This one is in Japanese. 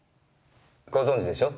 ご存知でしょ？